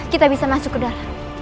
kita bisa masuk ke darat